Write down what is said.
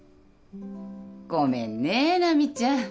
ごめんねナミちゃん。